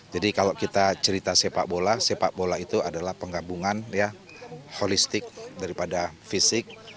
jadi kalau kita cerita sepak bola sepak bola itu adalah penggabungan ya holistik daripada fisik